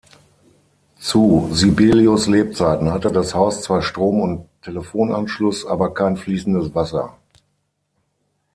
Zu Sibelius' Lebzeiten hatte das Haus zwar Strom- und Telefonanschluss, aber kein fließendes Wasser.